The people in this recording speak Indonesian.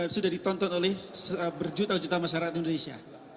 sudah ditonton oleh berjuta juta masyarakat indonesia